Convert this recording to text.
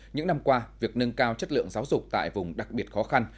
những năm qua việc nâng cao chất lượng giáo dục tại vùng đặc biệt khó khăn